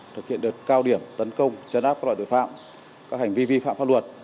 thực hiện đợt cao điểm tấn công chấn áp các loại tội phạm các hành vi vi phạm pháp luật